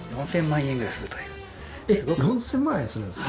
えっ４０００万円するんですか！？